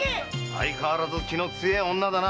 相変わらず気の強い女だな。